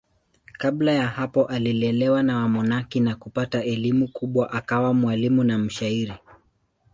Kabla ya hapo alilelewa na wamonaki na kupata elimu kubwa akawa mwalimu na mshairi.